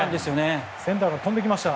センターまで飛んでいきました。